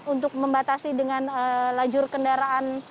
untuk membatasi dengan lajur kendaraan